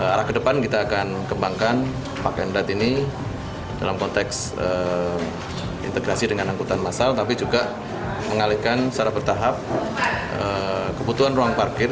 arah kedepan kita akan kembangkan park and ride ini dalam konteks integrasi dengan angkutan massal tapi juga mengalihkan secara bertahap kebutuhan ruang parkir